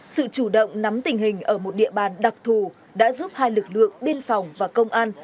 sự chủ động nắm tình hình ở một địa bàn đặc thù đã giúp hai lực lượng biên phòng và công an